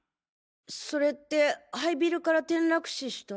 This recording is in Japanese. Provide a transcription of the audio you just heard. それって廃ビルから転落死した。